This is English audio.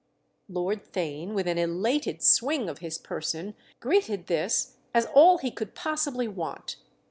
Lord Theign, with an elated swing of his person, greeted this as all he could possibly want.